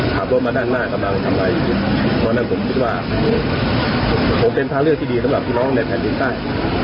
ผมเป็นภาระเลือกที่ดีสำหรับพี่น้องในแผ่นดินใต้